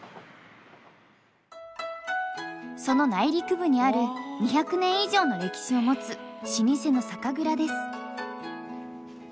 その内陸部にある２００年以上の歴史を持つ老舗の酒蔵です。